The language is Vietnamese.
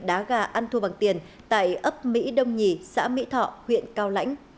đá gà ăn thua bằng tiền tại ấp mỹ đông nhì xã mỹ thọ huyện cao lãnh